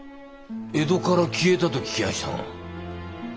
江戸から消えたと聞きやしたが。